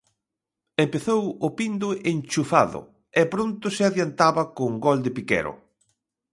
Empezou o Pindo enchufado e pronto se adiantaba con gol de Piquero.